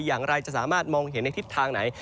อย่างไรจะสามารถมองเห็นในทิศทางไหน